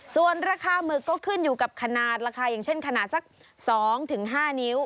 ส่วนราคาหมึกก็ขึ้นอยู่กับขนาดราคาอย่างเช่นขนาดสัก๒๕นิ้ว